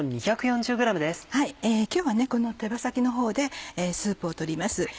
今日はこの手羽先のほうでスープを取ります。